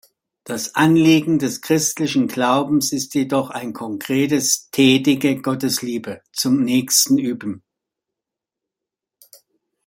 Das Anliegen des christlichen Glaubens ist jedoch ein konkretes: „tätige Gottesliebe“ am Nächsten üben.